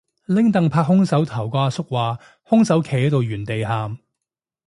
拎櫈拍兇手頭個阿叔話兇手企喺度原地喊